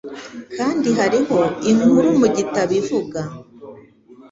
Kandi hariho inkuru mu gitabo ivuga: